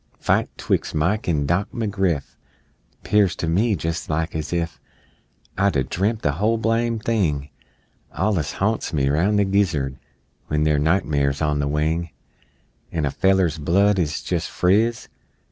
Fight 'twixt Mike an' Dock McGriff 'Pears to me jes' like as if I'd a dremp' the whole blame thing Allus ha'nts me roun' the gizzard When they're nightmares on the wing, An' a feller's blood 's jes' friz!